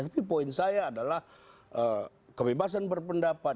tapi poin saya adalah kebebasan berpendapat